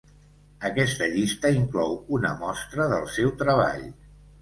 Aquesta llista inclou una mostra del seu treball.